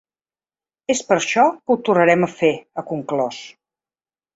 És per això que ho tornarem a fer, ha conclòs.